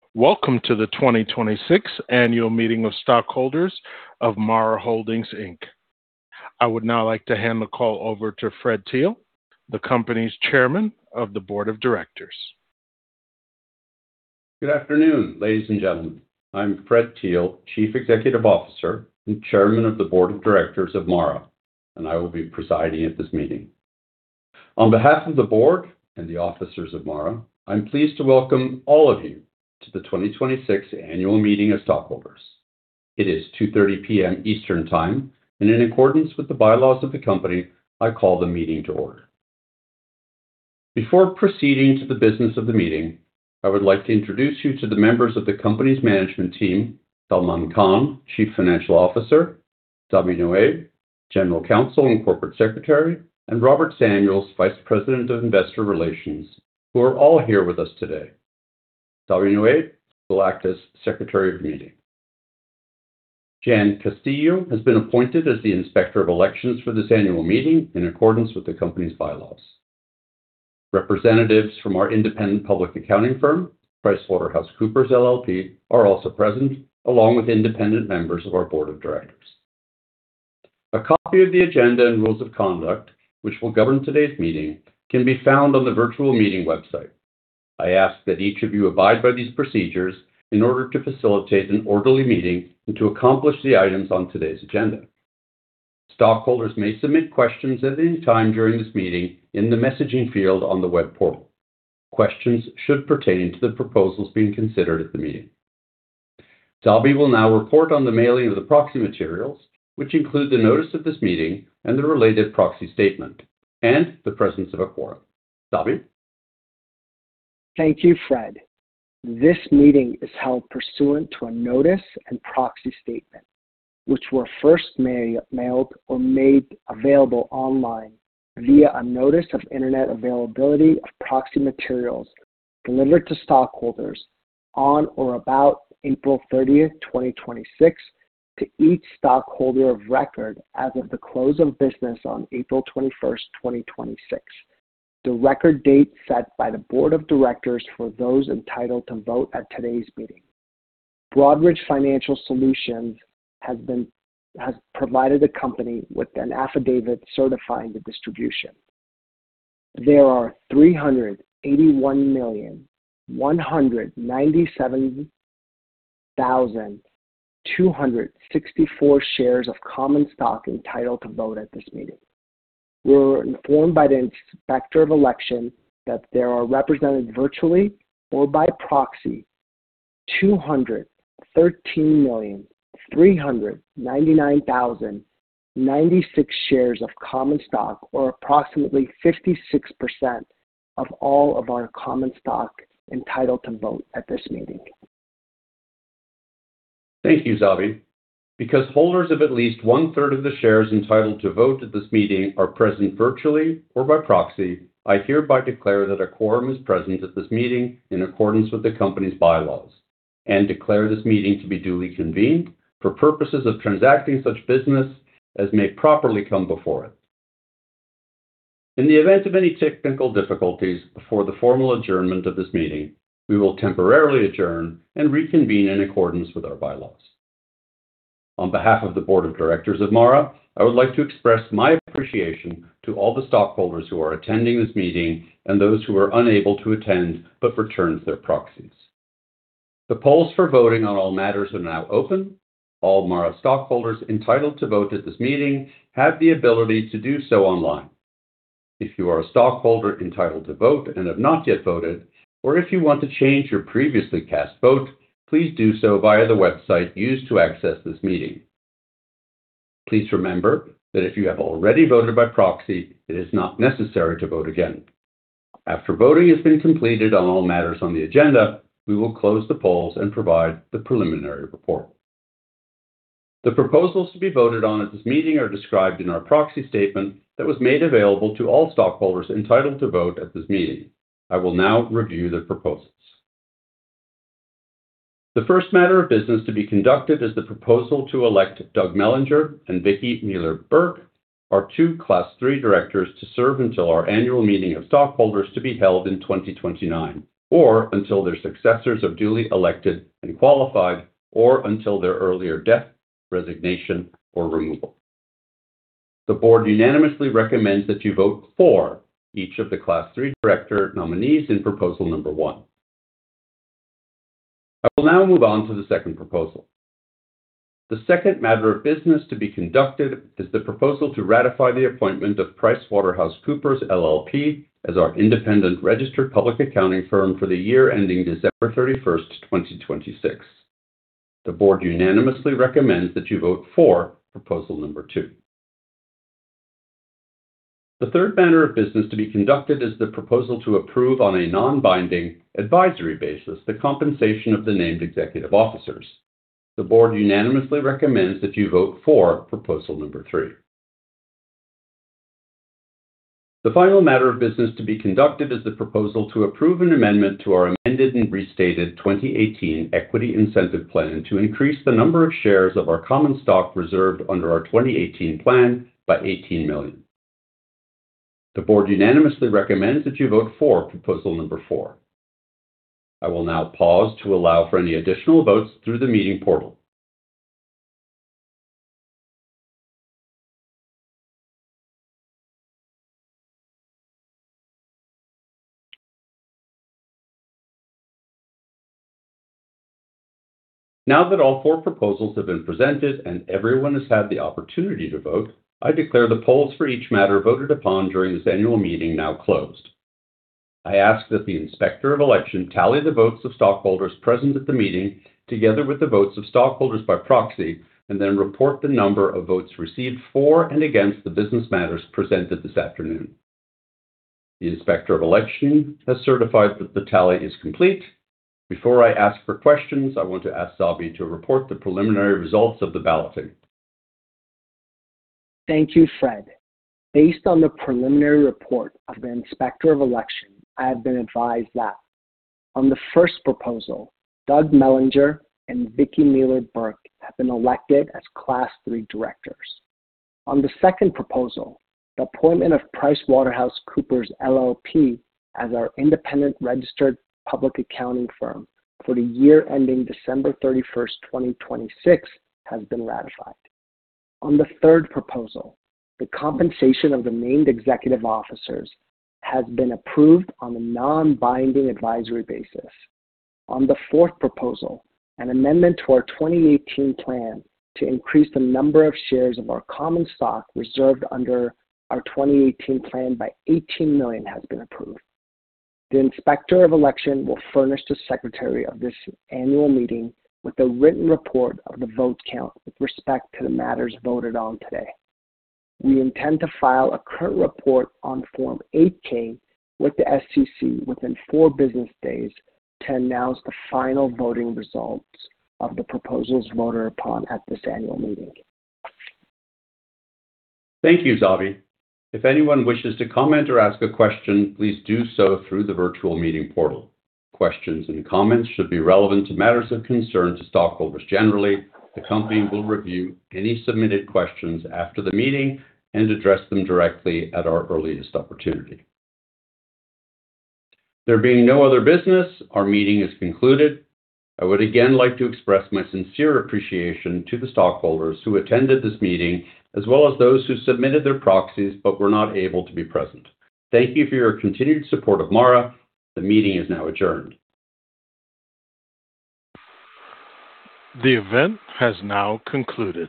Welcome to the 2026 Annual Meeting of Stockholders of MARA Holdings, Inc. I would now like to hand the call over to Fred Thiel, the company's Chairman of the Board of Directors. Good afternoon, ladies and gentlemen. I'm Fred Thiel, Chief Executive Officer and Chairman of the Board of Directors of MARA, and I will be presiding at this meeting. On behalf of the board and the officers of MARA, I'm pleased to welcome all of you to the 2026 Annual Meeting of Stockholders. It is 2:30 P.M. Eastern Time, and in accordance with the bylaws of the company, I call the meeting to order. Before proceeding to the business of the meeting, I would like to introduce you to the members of the company's management team, Salman Khan, Chief Financial Officer, Zabi Nowaid, General Counsel and Corporate Secretary, and Robert Samuels, Vice President of Investor Relations, who are all here with us today. Zabi Nowaid will act as Secretary of the meeting. Jan Castillo has been appointed as the Inspector of Election for this annual meeting in accordance with the company's bylaws. Representatives from our independent public accounting firm, PricewaterhouseCoopers LLP, are also present, along with independent members of our Board of Directors. A copy of the agenda and rules of conduct, which will govern today's meeting, can be found on the virtual meeting website. I ask that each of you abide by these procedures in order to facilitate an orderly meeting and to accomplish the items on today's agenda. Stockholders may submit questions at any time during this meeting in the messaging field on the web portal. Questions should pertain to the proposals being considered at the meeting. Zabi will now report on the mailing of the proxy materials, which include the notice of this meeting and the related proxy statement, and the presence of a quorum. Zabi? Thank you, Fred. This meeting is held pursuant to a notice and proxy statement, which were first mailed or made available online via a notice of internet availability of proxy materials delivered to stockholders on or about April 30th, 2026 to each stockholder of record as of the close of business on April 21st, 2026, the record date set by the Board of Directors for those entitled to vote at today's meeting. Broadridge Financial Solutions has provided the company with an affidavit certifying the distribution. There are 381,197,264 shares of common stock entitled to vote at this meeting. We're informed by the Inspector of Election that there are represented virtually or by proxy 213,399,096 shares of common stock, or approximately 56% of all of our common stock entitled to vote at this meeting. Thank you, Zabi. Because holders of at least 1/3 of the shares entitled to vote at this meeting are present virtually or by proxy, I hereby declare that a quorum is present at this meeting in accordance with the company's bylaws, and declare this meeting to be duly convened for purposes of transacting such business as may properly come before it. In the event of any technical difficulties before the formal adjournment of this meeting, we will temporarily adjourn and reconvene in accordance with our bylaws. On behalf of the Board of Directors of MARA, I would like to express my appreciation to all the stockholders who are attending this meeting and those who are unable to attend but returned their proxies. The polls for voting on all matters are now open. All MARA stockholders entitled to vote at this meeting have the ability to do so online. If you are a stockholder entitled to vote and have not yet voted, or if you want to change your previously cast vote, please do so via the website used to access this meeting. Please remember that if you have already voted by proxy, it is not necessary to vote again. After voting has been completed on all matters on the agenda, we will close the polls and provide the preliminary report. The proposals to be voted on at this meeting are described in our proxy statement that was made available to all stockholders entitled to vote at this meeting. I will now review the proposals. The first matter of business to be conducted is the proposal to elect Doug Mellinger and Vicki Mealer-Burke, our two Class III directors, to serve until our annual meeting of stockholders to be held in 2029, or until their successors are duly elected and qualified, or until their earlier death, resignation, or removal. The board unanimously recommends that you vote for each of the Class III director nominees in proposal number one. I will now move on to the second proposal. The second matter of business to be conducted is the proposal to ratify the appointment of PricewaterhouseCoopers LLP as our independent registered public accounting firm for the year ending December 31st, 2026. The board unanimously recommends that you vote for proposal number two. The third matter of business to be conducted is the proposal to approve, on a non-binding advisory basis, the compensation of the named executive officers. The board unanimously recommends that you vote for proposal number three. The final matter of business to be conducted is the proposal to approve an amendment to our Amended and Restated 2018 Equity Incentive Plan to increase the number of shares of our common stock reserved under our 2018 Plan by 18 million. The board unanimously recommends that you vote for proposal number four. I will now pause to allow for any additional votes through the meeting portal. Now that all four proposals have been presented and everyone has had the opportunity to vote, I declare the polls for each matter voted upon during this annual meeting now closed. I ask that the Inspector of Election tally the votes of stockholders present at the meeting, together with the votes of stockholders by proxy, and then report the number of votes received for and against the business matters presented this afternoon. The Inspector of Election has certified that the tally is complete. Before I ask for questions, I want to ask Zabi to report the preliminary results of the balloting. Thank you, Fred. Based on the preliminary report of the Inspector of Election, I have been advised that on the first proposal, Doug Mellinger and Vicki Mealer-Burke have been elected as Class III directors. On the second proposal, the appointment of PricewaterhouseCoopers LLP as our independent registered public accounting firm for the year ending December 31st, 2026, has been ratified. On the third proposal, the compensation of the named executive officers has been approved on a non-binding advisory basis. On the fourth proposal, an amendment to our 2018 Plan to increase the number of shares of our common stock reserved under our 2018 Plan by 18 million has been approved. The Inspector of Election will furnish the Secretary of this annual meeting with a written report of the vote count with respect to the matters voted on today. We intend to file a current report on Form 8-K with the SEC within four business days to announce the final voting results of the proposals voted upon at this annual meeting. Thank you, Zabi. If anyone wishes to comment or ask a question, please do so through the virtual meeting portal. Questions and comments should be relevant to matters of concern to stockholders generally. The company will review any submitted questions after the meeting and address them directly at our earliest opportunity. There being no other business, our meeting is concluded. I would again like to express my sincere appreciation to the stockholders who attended this meeting, as well as those who submitted their proxies but were not able to be present. Thank you for your continued support of MARA. The meeting is now adjourned. The event has now concluded.